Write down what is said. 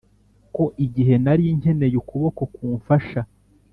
ko igihe nari nkeneye ukuboko kumfasha,